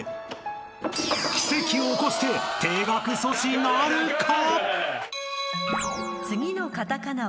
［奇跡を起こして停学阻止なるか！？］